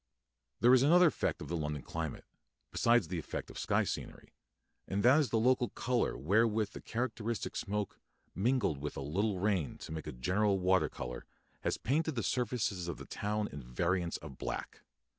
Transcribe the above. There is another effect of the London climate, besides the effect of sky scenery, and that is the local colour wherewith the characteristic smoke, mingled with a little rain to make a general water colour, has painted the surfaces of the town in variants of black.